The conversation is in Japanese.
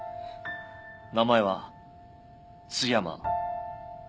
名前は津山邦彦